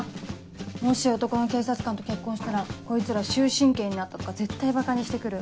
もし男の警察官と結婚したらこいつら終身刑になったとか絶対ばかにして来る。